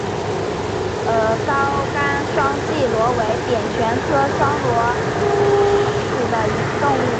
藁杆双脐螺为扁蜷科双脐螺属的动物。